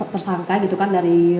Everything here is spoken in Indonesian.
tersangka gitu kan dari